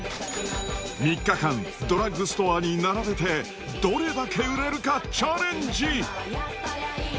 ３日間、ドラッグストアに並べて、どれだけ売れるかチャレンジ。